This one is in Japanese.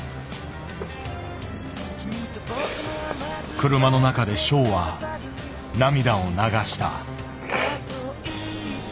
車の中でショウは涙を流した。